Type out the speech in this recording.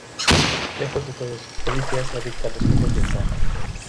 Lejos de todos, Rubí se hace adicta a los juegos de azar.